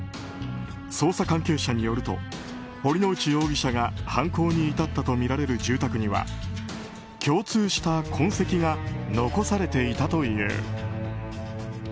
捜査関係者によると堀之内容疑者が犯行に至ったとみられる住宅には共通した痕跡が残されていたという。